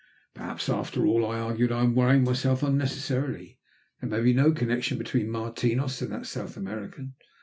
"Perhaps after all," I argued, "I am worrying myself unnecessarily. There may be no connection between Martinos and that South American."